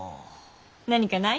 何かない？